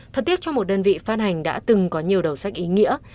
thật tiếc trong một đơn vị phát hành đã từng có nhiều đầu sách ý nghĩa